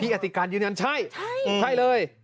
พี่อติกันอยู่นั้นใช่ใช่เลย